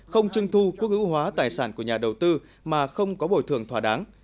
không trưng thu quốc ứng hóa tài sản của nhà đầu tư mà không có bồi thường thỏa đáng